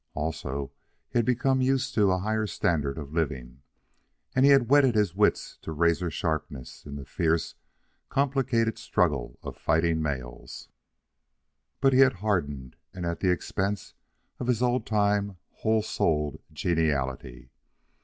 Also, he had become used to a higher standard of living, and he had whetted his wits to razor sharpness in the fierce, complicated struggle of fighting males. But he had hardened, and at the expense of his old time, whole souled geniality.